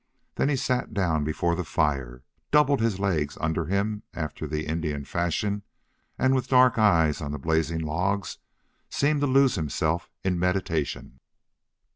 Then he sat down before the fire, doubled his legs under him after the Indian fashion, and with dark eyes on the blazing logs seemed to lose himself in meditation.